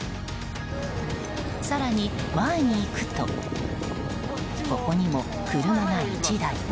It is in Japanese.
更に前に行くとここにも、車が１台。